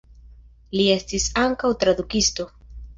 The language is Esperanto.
Li estis ankaŭ tradukisto.